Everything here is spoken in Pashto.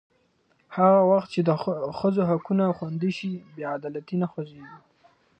هغه وخت چې د ښځو حقونه خوندي شي، بې عدالتي نه ژورېږي.